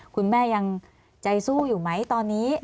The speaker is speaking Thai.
คุณแม่ยังใจสู้อยู่ไหมตอนนี้